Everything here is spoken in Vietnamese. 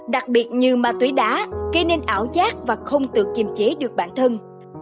đặc biệt như ma túy đá gây nên ảo giác và không tự kiềm chế được bản thân